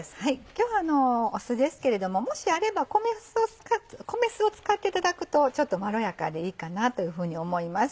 今日は酢ですけれどももしあれば米酢を使っていただくとちょっとまろやかでいいかなというふうに思います。